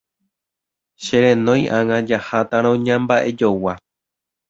Cherenói ág̃a jahátarõ ñamba'ejogua.